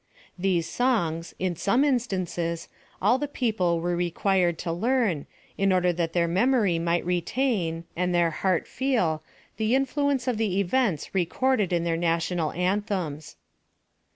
These songs, in some instances, all the people were re quired to learn, in order that their memory might retain, and their heart feel, the influence of the events recorded in their national anthems.